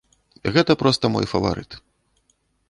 Гэта проста мой фаварыт.